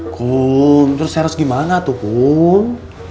kum terus harus gimana tuh kum